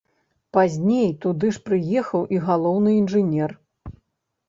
Пазней туды ж прыехаў і галоўны інжынер.